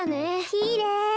きれい。